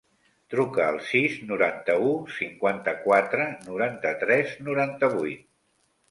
Truca al sis, noranta-u, cinquanta-quatre, noranta-tres, noranta-vuit.